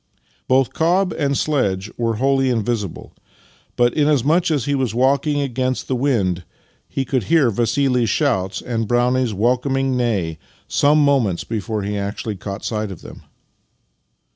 Both cob and sledge were wholly invisible, but inasmuch as he was walking against the wind, he could hear Vassili's shouts and Brownie's welcom ing neigh some moments before he actually caught sight of them.